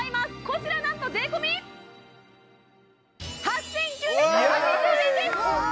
こちらなんと税込８９８０円です！わ